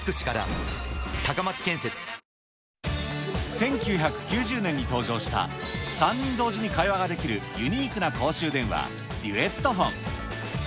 １９９０年に登場した、３人同時に会話ができるユニークな公衆電話、デュエットフォン。